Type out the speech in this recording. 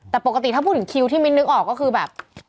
แต่ปกติถ้าพูดถึงคิวที่มิ้นนึกออกก็คือแบบ